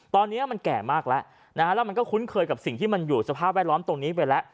ตอนนี้มันแก่มากแล้วนะฮะแล้วมันก็คุ้นเคยกับสิ่งที่มันอยู่สภาพแวดล้อมตรงนี้ไปแล้ว